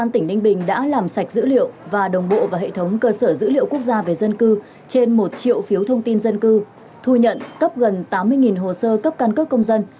trên một triệu phiếu thông tin dân cư thu nhận cấp gần tám mươi hồ sơ cấp căn cứ công dân